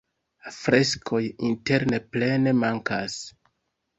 Freskoj interne plene mankas.